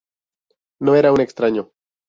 No era un extraño.